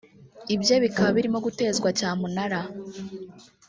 ibye bikaba birimo gutezwa cyamunara